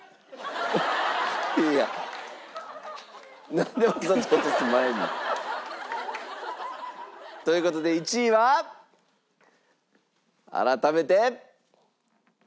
なんでわざと落とす前に。という事で１位は改めて。